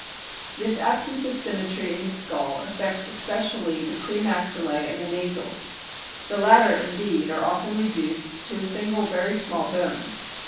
This absence of symmetry in the skull affects especially the pre maxillse and the nasals. The latter, indeed, are often reduced to a single very small bone.